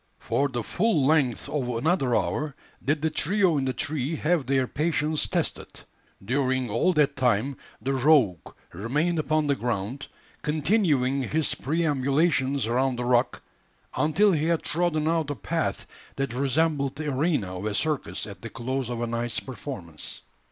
For the full length of another hour did the trio in the tree have their patience tested. During all that time the "rogue" remained upon the ground, continuing his perambulations around the rock until he had trodden out a path that resembled the arena of a circus at the close of a night's performance.